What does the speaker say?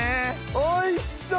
おいしそう！